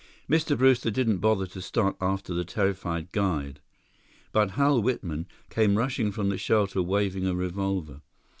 Mr. Brewster didn't bother to start after the terrified guide. But Hal Whitman came rushing from the shelter waving a revolver.